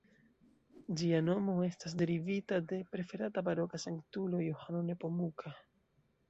Ĝia nomo estas derivita de preferata baroka sanktulo Johano Nepomuka.